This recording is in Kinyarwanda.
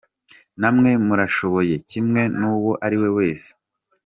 Namwe murashoboye kimwe n’uwo ari we wese.